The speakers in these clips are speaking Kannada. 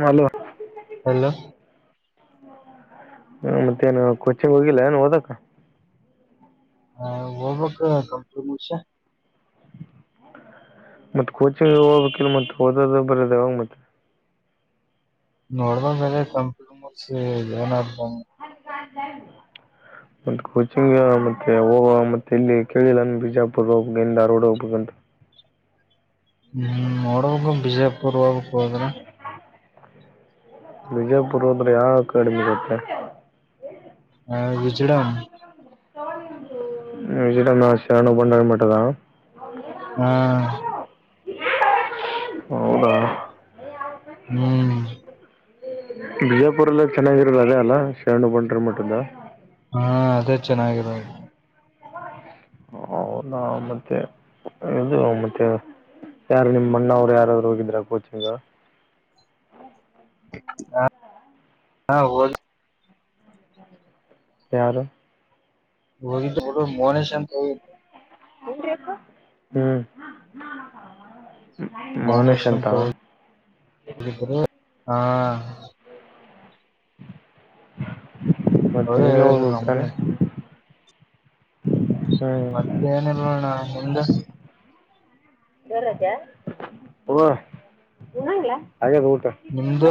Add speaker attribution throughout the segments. Speaker 1: ಮಲ
Speaker 2: ಹಲೋ
Speaker 1: ಹ ಮತ್ತೆೇನು ಕೊಚಿಂಗ್ ಹೋಗಿಲ್ಲ ಏನ್ ಓದಕ
Speaker 2: ಹ ಒಕ್ ಕಂಪ್ಷ
Speaker 1: ಮತ್ತ ಕೋಚಿಂಗ್ ಹೋಗ್ಬೇಕ ಇಲ್ ಮತ್ತತ್ ಓದೋದ ಬರದ ಅವಾಗ ಮತ್ತೆ
Speaker 2: ನೋಡಬ ಮೇಲೆ ಕಂಪ್ಯೂಟ ಮೂಸ ಏನಾದ
Speaker 1: ಅ ಮ ಕೋಚಿಂಗ್ ಮತ್ತೆ ಹೋಗ ಮತ್ತೆ ಇಲ್ಲಿ ಕೇಳಿಲ್ಲ ಬಿಜಾಪುರ ಹೋಗಬೇಕುನ ಆ ಧಾರವಾಡ ಹೋಗ್ಬೇಕಂತ
Speaker 2: ಹ್ಮ್ ನೋಡ ಬಿಜಯಪುರ್ ಬೋದ್ರ
Speaker 1: ವಿಜಯಪುರ ಹೊದ್ರೆ ಯಾವ ಕಡಿಮೆಗತ್ತೆ
Speaker 2: ಆ, ವಿಜಡಂ
Speaker 1: ವಿ ನಾ ಸರಾನ ಬೊಂಡರ ಮದಾ [inaudible]
Speaker 2: ಹಾ
Speaker 1: ಹೌದಾ [inaudible]
Speaker 2: ಹ್ಮ್
Speaker 1: ಬಿಜಾಪುರಲ್ಲ ಚೆನ್ನಾಗಿರೋದು ಅದೇ ಅಲ? ಶರಣ ಬಂಡಾರಿ ಮಠ.
Speaker 2: ಹಾ ಅದೇ ಚೆನ್ನಾಗಿರೋದು.
Speaker 1: ಹೌದ ಮತ್ತೆ ಇದು ಮತ್ತೆ. ಯಾರು ನಿಮ ಅಣ್ಣವ್ರು ಯಾರಾದ್ರು ಹೋಗಿದ್ರ ಕೋಚಿಂಗ?
Speaker 2: ಹ ಹಾ ಹ
Speaker 1: ಯಾರು?
Speaker 2: ಹು ಮೌನೇಶ ದು
Speaker 1: ಹ್ಮ್
Speaker 2: ಮೌನೇಶ್ ಅಂತ ಹ.
Speaker 1: ಮತ್ತೆ
Speaker 2: ಅವರೇ
Speaker 1: ನೀನೇ
Speaker 2: ಹೇಳಿದ್ರು
Speaker 1: ಹೋಗಬೇಕು
Speaker 2: ನಮ್ಗೆ
Speaker 1: ತಾನೇ?
Speaker 2: ಮತ್ತೆ ಏನಿಲ್ಲ ನೋಡ ಅಣ್ಣಾ ನಿಂದ
Speaker 1: ಬ ಹಂಗ ಹಾಗ ಊಟ [inaudible]
Speaker 2: ನಿಮ್ದು?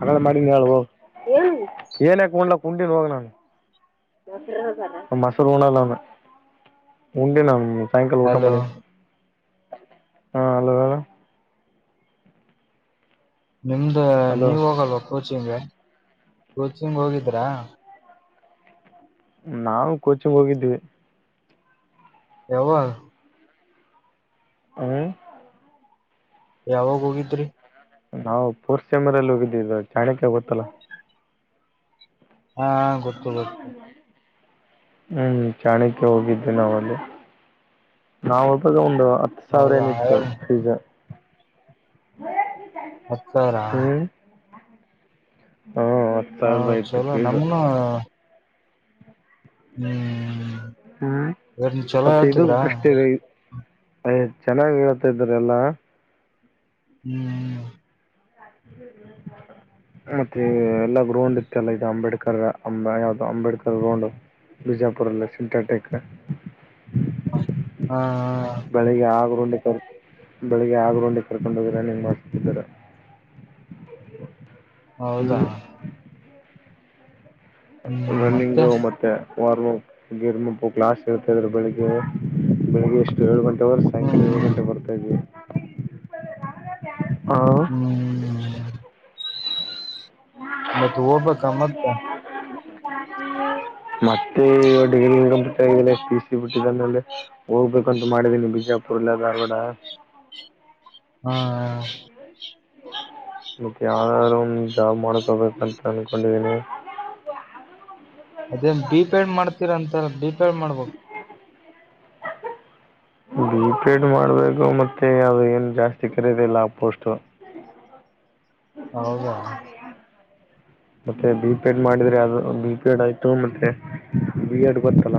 Speaker 1: ಹಾ ಮಾಡೀನಿ ಹೋಗು ವ. ಏನಕ ಉನಲಕ ಉಂಡಿನಿ ಹೋಗು. ಮೊಸೂರು ಣಲ್ಲಾಮ ಉಂಡೆ ನ ಸಾಯಂಕಾಲ ಊಟ
Speaker 2: ಹಲೋ
Speaker 1: ಮಾಡೀನಿ. ಹಾಂ ಅಲೋ ಹೇಳ?
Speaker 2: ನಿಮ್ದ
Speaker 1: ಹಲೋ
Speaker 2: ನೀವ ಹೋಗಲ್ವ ಕೋಚಿಂಗ ಕೋಚಿಂಗ ಹೋಗಿದ್ರಾ.
Speaker 1: ನಾವು ಕೋಚಿಂಗ ಹೋಗಿದ್ದೀವಿ.
Speaker 2: ಯಾವ
Speaker 1: ಹ
Speaker 2: ಯಾವಾಗ ಹೋಗಿದ್ರಿ?
Speaker 1: ನಾವು ಫೋರ್ಸ್ ಸ್ಯಾಮರಲ್ಲಿ ಹೋಗಿದ್ದ ಚಾಣಿಕ್ಯ ಗೊತ್ತಲ್ಲಾ?
Speaker 2: ಹಾ ಗೊತ್ತು ಗೊತ್ತು.
Speaker 1: ಹ್ಮ್ ಚಾಣಕ್ಯ ಹೋಗಿದ್ವಿ ನಾವ ಅಲ್ಲಿ. ನಾವ ಹೋದಾಗ ಒಂದು ಹತ್ತು ಸಾವಿರ
Speaker 2: ಹೌದಾ
Speaker 1: ಏನಿತ್ತು ಫೀಜ.
Speaker 2: ಹತ್ತು ಸಾವಿರ?
Speaker 1: ಹಾ ಹತ್ತು
Speaker 2: ಹ
Speaker 1: ಸಾವಿರದ ಇತ್ತು
Speaker 2: ಚಲೋ
Speaker 1: ಪೀಜ
Speaker 2: ನಮನು ಹ್ಮ್
Speaker 1: ಹ್ಮ್
Speaker 2: ಇವ್ರನ್ ಚಲೋ
Speaker 1: ಮತ್ತೆ ಇದು
Speaker 2: ಹೇಳ್ತಿದ್ರ
Speaker 1: ಬೆಸ್ಟ್ ಇದೆ ಚೆನ್ನಾಗಿ ಹತಿದ್ರ ಎಲ್ಲಾ
Speaker 2: ಹ್ಮ್
Speaker 1: ಹ್ಮ ಹ್ಮ ಮತ್ತೆ ಎಲ್ಲಾ ಗ್ರೌಂಡ್ ಇತ್ತ ಅಲ್ಲ ಇದು ಅಂಬೇಡ್ಕರ್ ಅ ಯಾವ್ದ ಅಂಬೇಡ್ಕರ್ ಗ್ರೌಂಡ್ ಬಿಜಾಪುರಲ್ಲ ಸಿಂಟಾಟೆಕ್
Speaker 2: ಹಾ ಹಾ
Speaker 1: ಬೆಳಿಗ್ಗೆ ಆಗರುಂಡಿ ಕರ್ ಬೆಳಿಗ್ಗೆ ಆಗರುಂಡಿ ಕರ್ಕೊಂಡ ಹೋಗಿ ರನ್ನಿಂಗ್ ಮಾಡ್ಸದ್ದಾರೆ
Speaker 2: ಹೌದಾ
Speaker 1: ಹ್ಮ್ ರನ್ನಿಂಗ್ ಮತ್ತೆ ವಾರ್ ಗಿರ್ಮಪ್ಪು ಕ್ಲಾಸ್ ಹ ಇರ್ತಾದ್ರೆ ಬೆಳಗ್ ಬೆಳಗ್ ಎಷ್ಟು ಏಳು ಗಂಟೆವರೆ ಸಾಯಂಕಾಲ ಏಳು
Speaker 2: ಹ್ಮ್
Speaker 1: ಗಂಟೆ ಬರ್ ಹಾ
Speaker 2: ಹ್ಮ್ ಮತ್ತ ಹೋಗ್ಬ ಮತ್ತೆ
Speaker 1: ಮತ್ತೆ ಡಿಗ್ರಿ ಬಿಸಿ ಬಿಟ್ಟೇಲೆ ಹೋಗ್ಬೇಕಂತ ಮಾಡಿದೀನಿ ಬಿಜಾಪುರ್ಲ್ಲ ಧಾರ್ವಾಡ
Speaker 2: ಹ್ಮ
Speaker 1: ಮತ್ತ ಯಾವಾದ್ ಒಂದ ಜಾಬ್ ಮಾಡಕೊಬೇಕಂತ ಅನ್ಕೊಂಡಿದೀನಿ
Speaker 2: ಅದೇ ಬಿ ಪೇಡ್ ಮಾಡ್ತೀರ ಅಂತಾರ ಬಿ ಪೇಡ್ ಮಾಡ್ಬೋ
Speaker 1: ಬಿ ಪೆಡ್ ಮಾಡ್ಬೇಕು ಮತ್ತೆ ಅದು ಏನು ಜಾಸ್ತಿ ಕಖರೀದಿಲ್ಲ ಆ ಪೋಸ್ಟ್
Speaker 2: ಹೌದಾ
Speaker 1: ಮತ್ತೆ ಬಿ ಪಿ ಎಡ್ ಮಾಡಿದ್ರೆ ಅದು ಬಿ ಪಿ ಎಡ್ ಆಯ್ತು ಮತ್ತೆ ಬಿ ಎಡ್ ಗತ್ತಲ್ಲ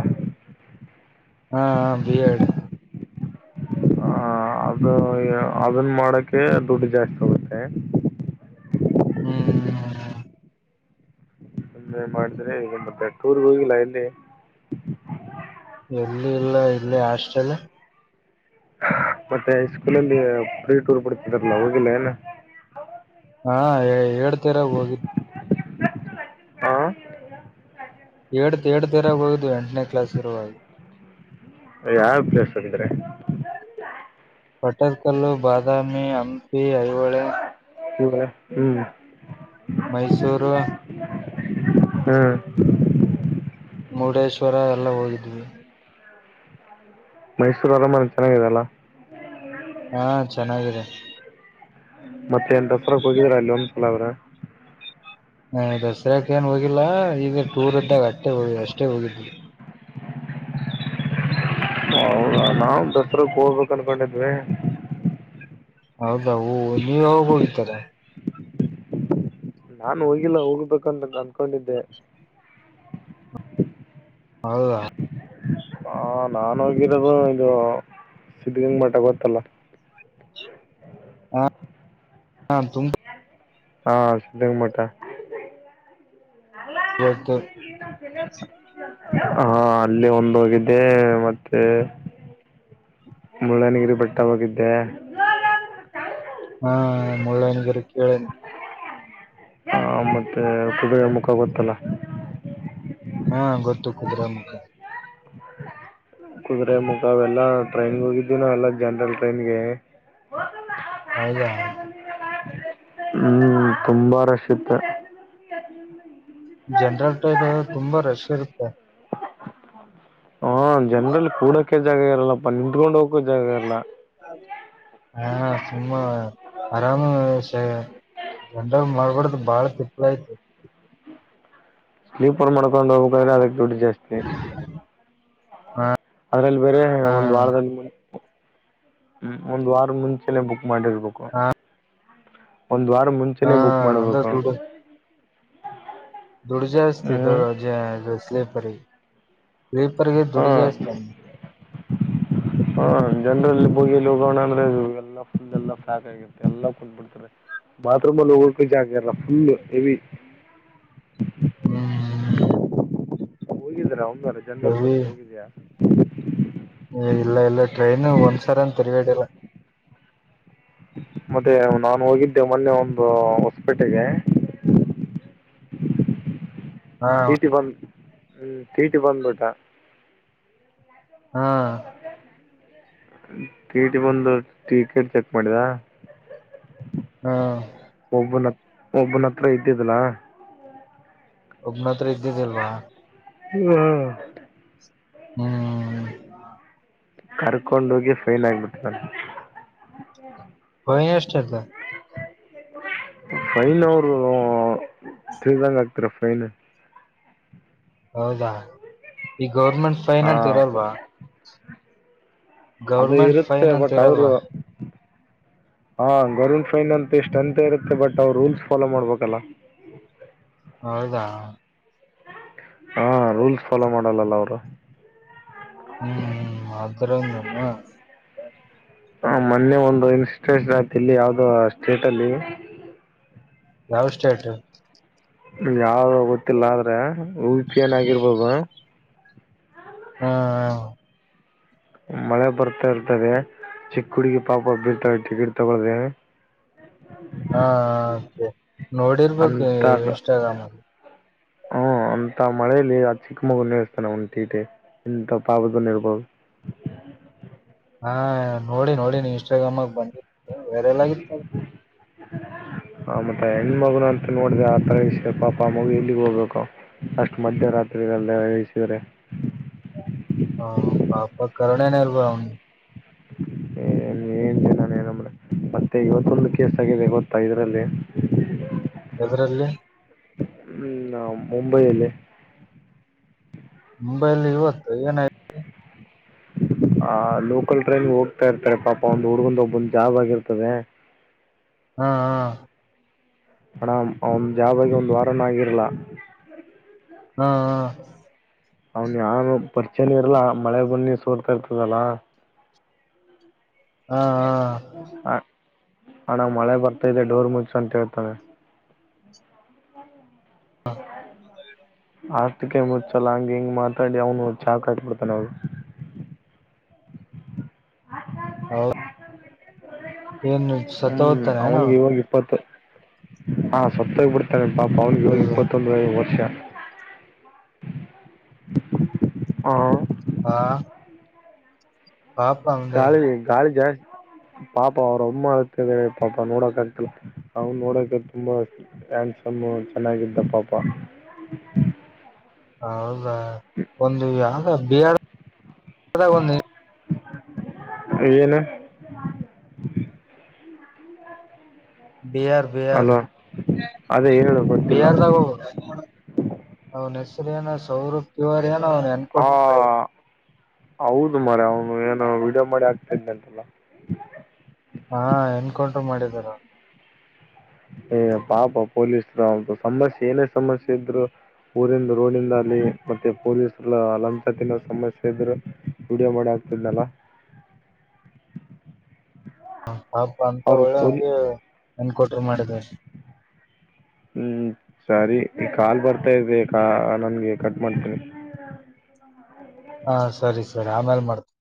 Speaker 2: ಹಾ ಬಿ ಎಡ್
Speaker 1: ಹ ಅದು ಅದನ್ ಮಾಡಕ್ಕೆೆ ದುಡ್ಡು ಜಾಸ್ತಿ ಹೋಗುತ್ತೆ
Speaker 2: ಹ್ಮ್
Speaker 1: ಏನ್ ಮಾಡಿದ್ರ್ ಏನ್ ಕತೆ ಟೂರ್ಗೆ ಹೋಗಿಲ್ಲ ಎಲ್ಲಿ
Speaker 2: ಎಲ್ಲಿ ಇಲ್ಲ ಇಲ್ಲಿ ಹಾಸ್ಟೆಲ್
Speaker 1: ಮತ್ತೆ ಸ್ಕೂಲಲ್ಲಿ ಫ್ರೀ ಟೂರ್ ಬಿಡ್ತಿರಲ್ಲ ಹೋಗಿಲ್ಲ ಏನ
Speaker 2: ಹಾ ಎಡ್ತ ಇರುವಾಗ್ ಹೋಗಿದ
Speaker 1: [unintelligible] ಹಾ
Speaker 2: ಏಡ್ತ್ ಏಡ್ತ್ ಇರುವಾಗ ಹೋಗಿದ್ದ್ವಿ ಎಂಟನೇ ಕ್ಲಾಸ್ ಇರುವಾಗ..
Speaker 1: ಅದೇ ಯಾವ ಪ್ಲೇಸ್ಗಿಹೋಗಿದ್ರಿ..
Speaker 2: ಪಟ್ಟದ ಕಲ್ಲು ಬಾದಾಮಿ ಹಂಪಿ ಐಹೊಳೆ.
Speaker 1: ಅಂದ್ರ್ ಹ್ಹ್ಮ
Speaker 2: ಮೈಸೂರು
Speaker 1: ಹ್ಮ್
Speaker 2: ಮುರುಡೇಶ್ವರ ಎಲ್ಲ ಹೋಗಿದ್ವಿ
Speaker 1: ಮೈಸೂರು ಅರಮನೆ ಚೆನ್ನಾಗಿದೆಲ್ಲ
Speaker 2: ಹಾ ಚೆನ್ನಾಗಿದೆ.
Speaker 1: ಮತ್ತೆ ಎನ್ ದಸರಕ್ ಹೋಗಿದ್ರಾ ಅಲ್ಲಿ ಒಂದ್ಸಲ ಅದ್ರ್
Speaker 2: ಹ ದಸರಕ ಏನ್ ಹೋಗಿಲ್ಲಾ ಈಗ ಟೂರ್ ಇದ್ದಾಗ ಅಷ್ಟೇ ಹೋಗ ಅಷ್ಟೇ ಹೋಗಿದ್ವಿ
Speaker 1: ಹೌದಾ ನಾವು ದಸ್ರಗ್ ಹೋಗ್ಬೇಕ ಅನ್ಕೊಂಡಿದ್ವಿ
Speaker 2: ಹೌದ ಹೂ ನೀವ ಯಾವಾಗ ಹೋಗಿತದೆ
Speaker 1: ನಾನು ಹೋಗಿಲ್ಲ ಹೋಗ್ಬೇಕಂತ ಅನ್ಕೊಂಡಿದ್ದೆ. [unintelligible]
Speaker 2: ಹೌದಾ
Speaker 1: ಹ ನಾನ ಹೋಗಿರೋದು ಇದು ಸಿದ್ಧಗಂಗಾ ಮಠ ಗೊತ್ತಲ್ಲ?
Speaker 2: ಹಾ [inaudible] ಹಂ ತುಂಬ
Speaker 1: ಹಾ ಸಿದ್ದಗಂಗಾ ಮಠ [unintelligible] ಅಲ್ಲ
Speaker 2: ಗೊತ್ತು
Speaker 1: ದಿಡ ದಿಡ ಅಂತಾ [unintelligible] ಹಾ ಅಲ್ಲಿ ಒಂದೋಗಿದ್ದೆ ಮತ್ತೆ. ಮುಳ್ಳನಗಿರಿ ಬೆಟ್ಟ ಹೋಗಿದ್ದೆ.
Speaker 2: ಹಾ ಮುಳ್ಳೆನಗರಿ ಕೇಳೆನಿ
Speaker 1: ಹ ಮತ್ತೆ ಕುದರೆ ಮುಖ ಗೊತ್ತ ಅಲ್ಲ
Speaker 2: ಹಾ ಗೊತ್ತು ಕುದುರೆಮುಖ
Speaker 1: ಕುದುರೆೆ ಮುಖಾವೆಲ್ಲಾ ಟ್ರೈನ್ಗೆ ಹೋಗಿದ್ವಿ ಎಲ್ಲ ಜನರಲ್ ಟ್ರೈನ್ಗೆ. [unintelligible]
Speaker 2: ಹೌದಾ
Speaker 1: [unintelligible] ಹ್ಮ್ ತುಂಬಾ ರಶ್ ಇತ್ತು. [unintelligible]
Speaker 2: ಜನ್ರಲ್ ಟೈನ ತುಂಬಾ ರಶ್ ಇರುತ್ತೆ.
Speaker 1: ಹಾ ಜನ್ರಲ ಕೂಡೋಕೆ ಜಾಗ ಇರಲ್ಲಪ್ಪ ನಿಂತ್ಕೊಂಡ್ ಹೋಗಕ ಜಾಗ ಇರಲ್ಲಾ.
Speaker 2: [unintelligible] ಹಾ ಸುಮ್ಮ ಆರಾಮ ಸೆ ಜನರಲ್ ಮಾಡ್ಬಿಡ್ದ್ ಬಾಳ ತಿಪ್ಪಲಯ್ತು
Speaker 1: ಸ್ಲೀಪರ್ ಮಾಡ್ಕೊಂಡ ಹೋಗ್ಬೇಕದ್ರೆ ಅದಕ್ಕೆ ದುಡ್ಡು ಜಾಸ್ತಿ.
Speaker 2: ಹಾ
Speaker 1: ಅದ್ರಲ್ಲಿ ಬೇರೆ ಒಂದ್ ವಾರದಲ್ಲಿ ಮುಂ ಒಂದ್ ವಾರ ಮುಂಚೆಲೆ ಬುಕ್ ಮಾಡಿರ್ಬೇಕು.
Speaker 2: ಹಾ
Speaker 1: ಒಂದ್ ವಾರ
Speaker 2: ಹಾ
Speaker 1: ಮುಂಚೆನೆೇ ಬುಕ್
Speaker 2: ಅಂದ್ರೆ
Speaker 1: ಮಾಡ್ಬೇಕು.
Speaker 2: ದುಡ್ಡು ದುಡ್ಡು ಜಾಸ್ತಿ ಅದು
Speaker 1: ಹ್ಮ್
Speaker 2: ಜಾ ಅದ ಸ್ಲೀಪರ್ಗೆ [inaudible] ಸ್ಲೀಪರ್ಗೆ ದುಡ್ಡು ಜಾಸ್ತಿ ಅ
Speaker 1: [unintelligible] ಹಾ ಜನರಲ್ಲಿ ಬೋಗಿಲಿ ಹೋಗೋಣ ಅಂದ್ರೆ ಎಲ್ಲ ಫುಲ್ ಎಲ್ಲ ಫ್ಯಾಕ್ ಆಗಿತ್ತೆ ಎಲ್ಲಾ ಕುತ್ಬಿಡ್ತಾರೆ. ಬಾತ್ರೂಮಲಿ ಹೋಗೋಕೆ ಜಾಗ ಇರಲ್ಲ ಫುಲ್ ಹೆವಿ.
Speaker 2: ಹ್ಮ್
Speaker 1: ಹೋಗಿದ್ದೀರಾ ಒಂದ್ಾರ ಜನರಲ್
Speaker 2: ಎವಿ
Speaker 1: ಹೋಗಿದ ಹೋಗಿದ್ಯಾಾ
Speaker 2: ಇಲ್ಲ ಇಲ್ಲ ಟ್ರೈನು ಒಂದ್ಸರ ಅಂತ ತಿರ್ಗೇಡಿಿಲ್ಲ
Speaker 1: ಮತ್ತೆ ನಾನು ಹೋಗಿದ್ದೆ ಮೊನ್ನೆ ಒಂದು ಹೊಸಪೇಟೆಗೆ
Speaker 2: ಹಾ
Speaker 1: ಿ ಬಂದ ಹ್ಮ್ ಟೀಟಿ ಬಂದ್ಬಿಟಾ
Speaker 2: ಹಾ
Speaker 1: ಕೀಟಿ ಬಂದು ಟಿಕೆಟ್ ಚೆಕ್ ಮಾಡಿದ
Speaker 2: ಹಾ
Speaker 1: ಒಬ್ಬನತ್ರ ಒಬ್ಬನ ಹತ್ರ ಇದ್ದಿದಲಾ
Speaker 2: ಒಬ್ಬನತ್ರ ಇದ್ದಿದ್ದಿಲ್ವಾ
Speaker 1: ಹ್ಮ
Speaker 2: ಹ್ಮ್
Speaker 1: ಕರ್ಕೊಂಡ ಹೋಗಿ ಫೈನ್ ಆಗ್ಬಿಟ್ಟ ನಾನು
Speaker 2: ಹನ ಎಷ್ಟಟ
Speaker 1: ಫೈನ್ ಅವರು ತಿಳಿದಂಗ ಆಗ್ತರ ಫೈನ್
Speaker 2: ಹೌದಾ ಈ ಗೌರ್ಮೆಂಟ್ ಫೈನ್ ಅಂತ
Speaker 1: ಹಾಂ
Speaker 2: ಇರೋಲ್ವಾ
Speaker 1: ಅದು
Speaker 2: ಗೌರ್ಮೆಂಟ್
Speaker 1: ಇರುತ್ತೆ
Speaker 2: ಫೈನ್ ಅಂತ
Speaker 1: ಬಟ್ ಅವರು
Speaker 2: ಇರಲ್ವಾ
Speaker 1: ಹಾ ಗೌರ್ಮೆಂಟ್ ಫೈನ್ ಅಂತ ಎಷ್ಟ್ ಅಂತ ಇರುತ್ತೆ ಬಟ್ ಅವ್ ರೂಲ್ಸ್ ಫಾಲೋ ಮಾಡ್ಬೇಕಲ್ಲಾ
Speaker 2: ಹೌದಾ
Speaker 1: ಹಾ ರೂಲ್ಸ್ ಫಾಲೋ ಮಾಡಲ್ಲಲ್ಲ ಅವರು
Speaker 2: ಹ್ಮ್ ಅದ್ರ ನಾನ
Speaker 1: ಹ ಮೊನ್ನೆ ಒಂದು ಇನ್ಸಿಡೆಂಟ್ ಆಯತ ಇಲ್ಲಿ ಯಾವ್ದೋ ಸ್ಟೇಟ್ ಅಲ್ಲಿ
Speaker 2: ನಾವು ಸ್ಟೇಟ್
Speaker 1: ಯಾವ್ದ ಗೊತ್ತಿಲ್ಲ ಆದ್ರೆ ಉಪಿ ಏನ ಆಗಿರ್ಬೋದು
Speaker 2: ಹಾ ಹ
Speaker 1: ಮಳೆ ಬರ್ತಾ ಇರ್ತದೆ ಚಿಕ್ಕ ಹುಡಗ ಪಾಪ ಬಿರ್ತಾರೆ ಟಿಕೆಟ್ ತಗೊಳ್ಳ್ದ
Speaker 2: ಹಾೆ ನೋಡಿರ್ಬೇಕು
Speaker 1: ಅಂತ
Speaker 2: ಇನ್ಸ್ಟಾಗ್ರಾಮ್ಲ್ಲಿ
Speaker 1: ಹ್ಮ ಅಂತ ಮಳೇಲಿ ಆ ಚಿಕ್ಕ ಮಗುನ್ ನಿಸ್ತಾನ ಉಂಟಿಟಿ ಇಂಂತ ಪಾಪದನ್ ಇರ್ಬಹುದು
Speaker 2: ಹಾ ನೋಡಿ ನೋಡಿ ಇನ್ಸ್ಟಾಗ್ರಾಮಾಗ ಬಂದಿ ವೇರೆಲ್ಲಾಗಿತ್ತು
Speaker 1: ಆ ಮತ್ತ ಹೆಣ ಮಗುನು ಅಂತ ನೋಡಿದೆ ಆ ತರ ವಿಷಯ ಪಾಪ ಆ ಮಗು ಎಲ್ಲಿಗ್ ಹೋಗ್ಬೇಕ ಅಷ್ಟು ಮಧ್ಯರಾತ್ರಿಗಳಲ್ಲ ವಹಿಸಿದ್ರೆ
Speaker 2: ಹ ಪಾಪ ಕರುಣೆನ ಇರ್ಬ ಅವ್ಿಗೆ
Speaker 1: ಹಏ ನೀ ನಮ್ಮ ಮತ್ತೆ ಇವತ್ತೊಂದು ಕೇಸ್ ಆಗಿದೆ ಗತ್ತ ಇದ್ರಲ್ಲಿ
Speaker 2: ಇದರಲ್ಲಿ
Speaker 1: ಹ್ಮ್ ನಾ ಮುಂಬೈಯಲ್ಲಿ
Speaker 2: ಮುಂಬೈಲ್ಲಿ ಇವತ್ತು ಏನಾಯತು
Speaker 1: ಆ ಲೋಕಲ್ ಟ್ರೈನ್ ಹೋಗ್ತಾ ಇರ್ತಾರೆ ಪಾಪ ಒಂದು ಹುಡ್ಗಂದ ಒಬ್ಬೊಂದ ಜಾಬ್ ಆಗಿರ್ತದೆ
Speaker 2: ಹ್ಮ ಹಾ
Speaker 1: ಮೇಡಮ್ ಅವನ ಜಾಬ್ಗ ಒಂದು ವಾರನ ಆಗಿರ್ಲ
Speaker 2: ಹಾ
Speaker 1: ಅವನ್ ಯಾರು ಪರಿಚಯ ಇರಲ್ಲಾ ಮಳೆ ಬನ್ನಿ ಸೋಲ್ತಾ ಇರ್ತದಲ್ಲ
Speaker 2: ಹಾ ಹ
Speaker 1: ಹ ಹಣ ಮಳೆ ಬರ್ತಾ ಇದೆ ಡೋರ್ ಮುಚ್ಚು ಅಂತ ಹೇಳ್ತಾನೆ
Speaker 2: ಹಾ
Speaker 1: ಆಸ್ಿಕ ಮುಚ್ಚಲ ಹಂಗ ಹೆಂಗ ಮಾತಾಡಿ ಅವನು ಚಾಕ್ ಹಾಕ್ಬಿಡ್ತಾನ ನ ಅವ್
Speaker 2: ಹೌದ. ಸತ್ತ
Speaker 1: ಹ್ಮ್
Speaker 2: ಹೋಗ್ತಾನೆ ನಾವು
Speaker 1: ಅವನ್ಗೆ ಇ ಒನ್ ಇಪ್ಪತ್ತ. ಹಾ ಸತ್ತೋಗ್ ಬಿಡ್ತಾರೆ ಪಾಪ ಅವ್ನಿಗೆ ಇವಾಗ ಇಪ್ಪತ್ತೊಂದ ವರ್ಷ ಹಾ.
Speaker 2: ಹಾ. ಪಾಪ ಅಂದೆ
Speaker 1: ಗಾಳಿ ಗಾಳಿ ಜಾಸ್ತಿ ಪಾಪ ಅವ್ರಮ್ಮ ಅಳ್ತಿದಾಳೆ ಪಾಪ ನೋಡಕ ಆಗ್ತಿಲ್ಲ ಅವ್ನ ನೋಡಾಕೆ ತುಂಬಾ ಹ್ಯಾಂಡ್ಸಮ್ ಚೆನ್ನಾಗಿದ್ದ ಪಾಪ
Speaker 2: ಹೌದಾ.
Speaker 1: ಹ್ಮ.
Speaker 2: ಒಂದು ಯಾವ್ದ ಬಿಹಾರ್
Speaker 1: ಏನ?
Speaker 2: ಬಿಹಾರ ಬಿಹಾರ
Speaker 1: ಅಲ್ವಾ ಅದೇ ಹೇಳು ಗೊತ್ತಿಲ್ಲ
Speaker 2: ಬಿಹಾರದಾವು ಅವ್ನ ಹೆಸರು ಏನ ಸೌರ ತಿವಾರಿ ಎನ್
Speaker 1: ಹಾ ಹೌದು ಮಾರಾಯಾ ಅವನು ಏನು ವಿಡಿಯೋ ಮಾಡಿ ಹಾಕ್ತಿದೆಂತೆಲ್ಲ.
Speaker 2: ಹಾ ಎನ್ಕೌಂಟರ್ ಮಾಡಿದಾರ.
Speaker 1: ಏ ಪಾಪ ಪೊಲೀಸರು ಅವ್ರುದು ಸಮಸ್ಯೆ ಏನೇ ಸಮಸ್ಯೆ ಇದ್ರು ಊರಿಂದ ರೋಡಿಂದ ಅಲ್ಲಿ ಮತ್ತೆ ಪೊಲೀಸರು [unintelligible] ಸಮಸ್ಯೆ ಇದ್ರ ವಿಡಿಯೋ ಮಾಡಿ ಹಾಕ್ತಿದನಲ್ಲ.
Speaker 2: ಹ ಹಾಪ ಅಂತ
Speaker 1: ಅವ್ರು ಪೊಲೀ
Speaker 2: ಒಳ್ಳೆವನಿಗೆ ಎನ್ಕೌಂಟರ್ ಮಾಡಿದಾರೆ.
Speaker 1: ಹ್ಮ್ ಸರಿ ಈ ಕಾಲ ಬರ್ತಾ ಇದೆ ನನ್ಗೆ ಕಾಲ್ ಕಟ್ ಮಾಡ್ತೀನಿ.
Speaker 2: ಹಾ ಸರಿ ಸರಿ ಆಮೇಲ್ ಮಾಡ್ತೇನಿ.